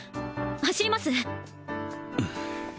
走ります？